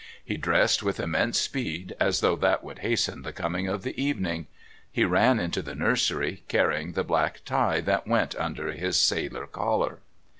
He dressed with immense speed, as though that would hasten the coming of the evening. He ran into the nursery, carrying the black tie that went under his sailor collar.